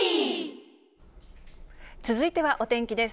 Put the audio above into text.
続いてはお天気です。